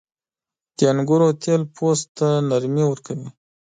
• د انګورو تېل پوست ته نرمي ورکوي.